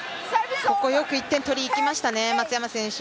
ここ、よく１点取りにいきましたね、松山選手。